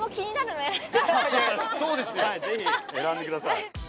はいぜひ選んでください